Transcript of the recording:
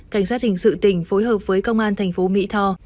cảnh sát hình sự tỉnh phối hợp với công an thành phố mỹ tho